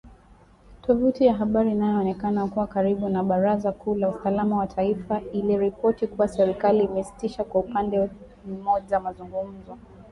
Tovuti ya habari inayoonekana kuwa karibu na baraza kuu la usalama wa taifa , iliripoti kuwa serikali imesitisha kwa upande mmoja mazungumzo